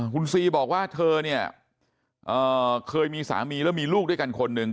คุณซีบอกว่าเธอเนี่ยเคยมีสามีแล้วมีลูกด้วยกันคนหนึ่ง